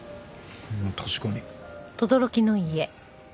確かに。